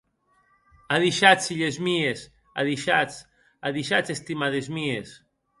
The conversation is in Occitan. Adishatz, hilhes mies, adishtaz, adishatz, estimades mies.